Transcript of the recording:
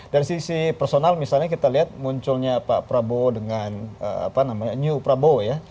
dari sisi personal misalnya kita lihat munculnya pak prabowo dengan new prabowo ya